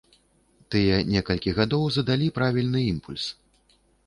Тыя некалькі гадоў задалі правільны імпульс.